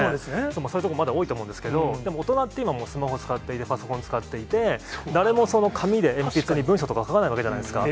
そういうところ、まだ多いと思うんですけど、でも大人って今、スマホ使ってパソコン使っていて、誰も紙で、鉛筆に、文章とか書かないわけじゃないですか。